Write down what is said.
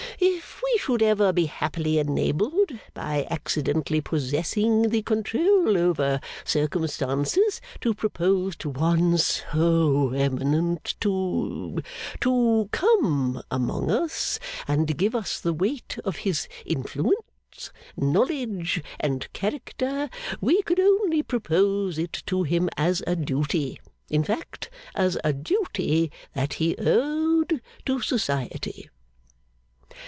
If we should ever be happily enabled, by accidentally possessing the control over circumstances, to propose to one so eminent to to come among us, and give us the weight of his influence, knowledge, and character, we could only propose it to him as a duty. In fact, as a duty that he owed to Society.